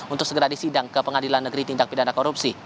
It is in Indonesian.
untuk segera disidang ke pengadilan negeri tindak pidana korupsi